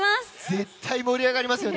絶対盛り上がりますよ。